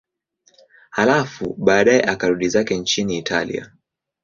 Halafu baadaye akarudi zake nchini Italia.